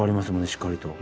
しっかりと。